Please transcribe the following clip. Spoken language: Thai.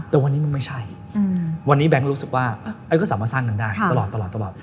แต่วันนี้มันไม่ใช่วันนี้แบงค์รู้สึกว่าก็สามารถสร้างมันได้ตลอด